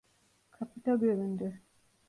Kapıda göründü...